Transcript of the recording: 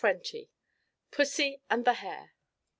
_] PUSSY AND THE HARE.